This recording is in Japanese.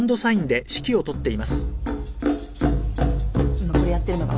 今これやってるのが。